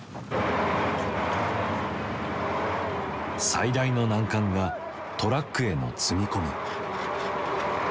最大の難関がトラックへの積み込み。